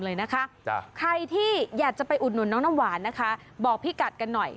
เลยนะคะจ้ะใครที่อยากจะน้องน้ำหวานนะคะบอกพี่กัสกันหน่อย